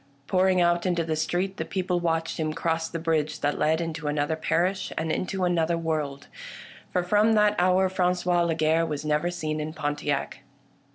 Pouring out into the street, the people watched him cross the bridge that led into another parish — and into another world : for from that hour Franqois Lagarre was never seen in Pontiac.